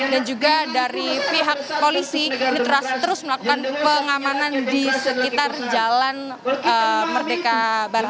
dan juga dari pihak polisi ini terus melakukan pengamanan di sekitar jalan merdeka barat